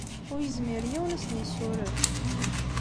Ur yezmir yiwen ad asen-yessuref.